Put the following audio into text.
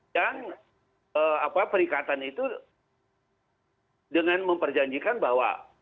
yang perikatan itu dengan memperjanjikan bahwa